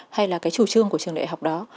hay là cái chủ trương của trường đại học đó